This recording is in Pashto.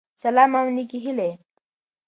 سلام او نيکي هیلی